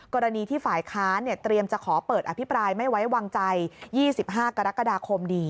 กรณีที่ฝ่ายค้านเตรียมจะขอเปิดอภิปรายไม่ไว้วางใจ๒๕กรกฎาคมนี้